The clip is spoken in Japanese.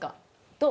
どう？